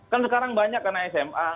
kan sekarang banyak anak sma